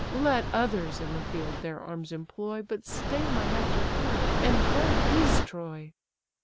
Let others in the field their arms employ, But stay my Hector here, and guard his Troy."